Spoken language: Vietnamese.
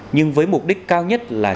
nhưng với mục đích cao nhất là